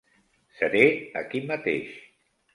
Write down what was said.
Seré aquí mateix.